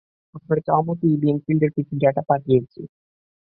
আপনার চাওয়ামতো ইএম ফিল্ডের কিছু ডেটা পাঠিয়েছি।